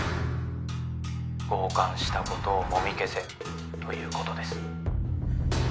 強姦したことをもみ消せということです。